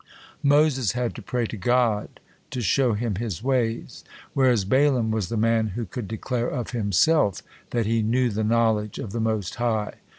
Moses had to pray to God "to shew him His ways," whereas Balaam was the man who could declare of himself that he "knew the knowledge of the Most High."